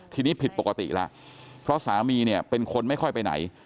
ทีนี้ผิดปกติแล้วเพราะสามีเนี่ยเป็นคนไม่ค่อยไปไหน